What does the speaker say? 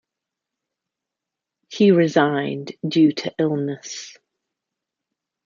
He resigned due to illness.